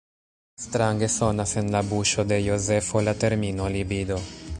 Strange sonas en la buŝo de Jozefo la termino libido.